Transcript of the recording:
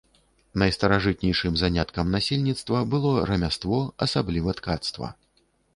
Найстаражытнейшым заняткам насельніцтва было рамяство, асабліва ткацтва.